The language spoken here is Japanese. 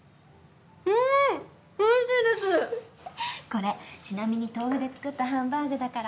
これちなみに豆腐で作ったハンバーグだから。